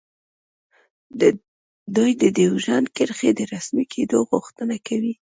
دوی د ډیورنډ کرښې د رسمي کیدو غوښتنه کوي